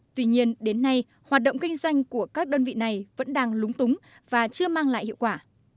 tuy nhiên đến nay hoạt động kinh doanh của các đơn vị này vẫn đang lúng túng và chưa mang lại hiệu quả